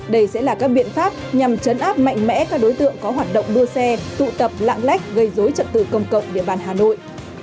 đây sẽ là các biện pháp nhằm chấn áp mạnh mẽ các đối tượng có hoạt động đua xe tụ tập lạng lách gây dối trật tự công cộng địa bàn hà nội